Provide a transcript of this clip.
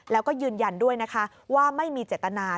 แล้วก็ยืนยันด้วยนะคะว่าไม่มีเจตนา